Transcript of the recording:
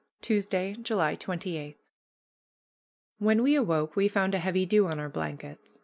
VI TUESDAY, JULY 28 When we awoke we found a heavy dew on our blankets.